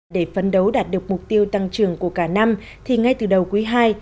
để phấn đấu đạt được mục tiêu tăng trưởng của cả năm thì ngay từ đầu quý ii